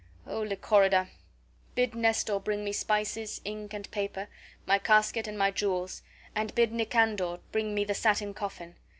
O Lychorida, bid Nestor bring me spices, ink, and paper, my casket and my jewels, and bid Nicandor bring me the satin coffin.